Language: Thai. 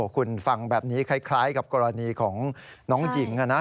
คุณฟังแบบนี้คล้ายกับกรณีของน้องหญิง